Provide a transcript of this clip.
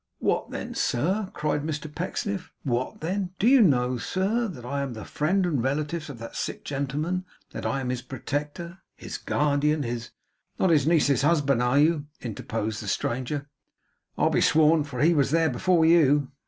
'What then, sir?' cried Mr Pecksniff. 'What then? Do you know, sir, that I am the friend and relative of that sick gentleman? That I am his protector, his guardian, his ' 'Not his niece's husband,' interposed the stranger, 'I'll be sworn; for he was there before you.